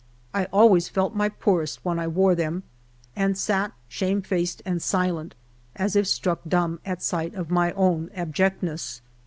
I always felt my poorest when I wore them, and sat shaniefaced and silent, as if struck l6 HALF A DIME A DAY. (himb at sight of my own abjectness.